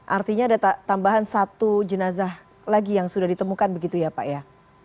artinya ada tambahan satu jenazah lagi yang sudah ditemukan begitu ya pak ya